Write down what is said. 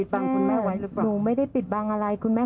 แม่หนูไม่ได้ปิดบังอะไรคุณแม่